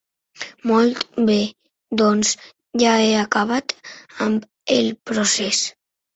Molt bé, doncs ja he acabat amb el procés.